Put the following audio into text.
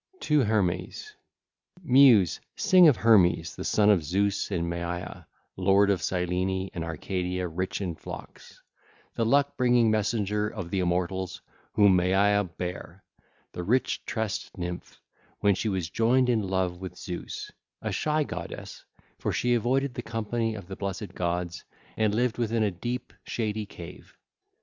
TO HERMES (ll. 1 29) Muse, sing of Hermes, the son of Zeus and Maia, lord of Cyllene and Arcadia rich in flocks, the luck bringing messenger of the immortals whom Maia bare, the rich tressed nymph, when she was joined in love with Zeus,—a shy goddess, for she avoided the company of the blessed gods, and lived within a deep, shady cave.